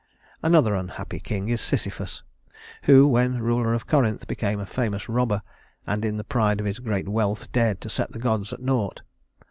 Another unhappy king is Sisyphus, who, when ruler of Corinth, became a famous robber, and in the pride of his great wealth dared to set the gods at naught.